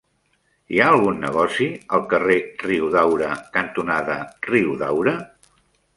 Hi ha algun negoci al carrer Riudaura cantonada Riudaura?